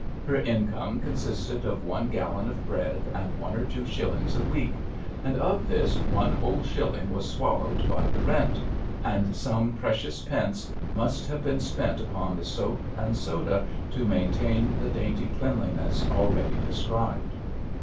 Her income consisted of one gallon of bread and one or two shillings a week, and of this one whole shilling was swallowed by the rent, and some precious pence must have been spent upon the soap and soda to maintain the dainty cleanliness already described.